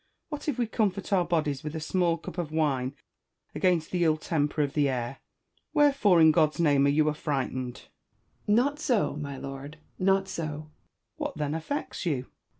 What if we comfort our bodies with a small cup of wine, against the ill temper of the air. Wherefore, in God's name, are you affrightened ? Hooker. Not so, my Lord ; not so. Bacon. What then affects you